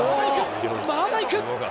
まだ行く。